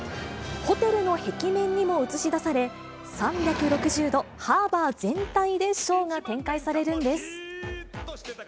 ホテルの壁面にも映し出され、３６０度ハーバー全体でショーが展開されるんです。